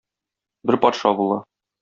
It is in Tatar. Бер патша була.